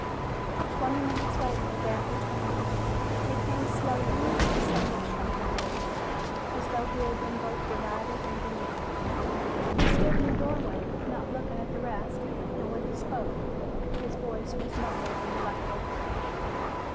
Twenty minutes later, Dabb returned. He came slowly, and somewhat shrunkenly, as though he had been both derided and belittled. He stood in the doorway, not looking at the rest, and when he spoke his voice was muffled and reluctant.